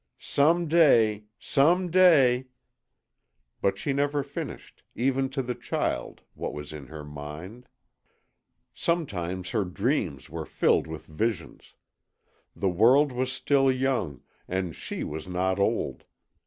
"Some day SOME DAY " But she never finished, even to the child, what was in her mind. Sometimes her dreams were filled with visions. The world was still young, and SHE was not old.